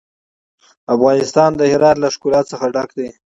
افغانستان د هرات له ښکلا څخه ډک دی.